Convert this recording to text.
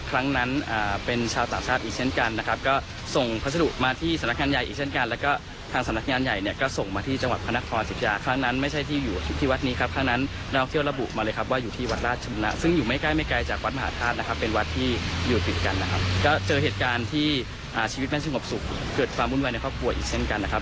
การที่ชีวิตเป็นชีวิตประสุทธิ์เกิดความวุ่นวัยในครอบครัวอีกเช่นกันนะครับ